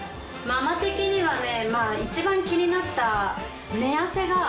ママ的にはね一番気になった。